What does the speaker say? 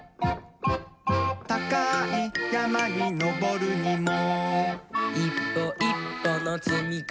たかいやまにのぼるにもいっぽいっぽのつみかさねヤー！